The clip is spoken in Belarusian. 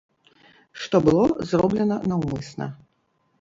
Што было зроблена наўмысна.